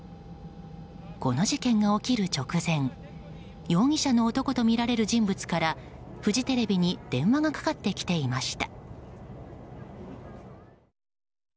この事件が起きる直前容疑者の男とみられる人物からフジテレビに電話がかかってきていました。